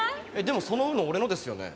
でもそのＵＮＯ俺のですよね？